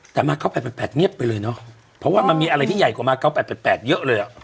แต่มาเกาะแปดแปดแปดเงียบไปเลยเนอะเพราะว่ามันมีอะไรที่ใหญ่กว่ามาเกาะแปดแปดแปดเยอะเลยอ่ะ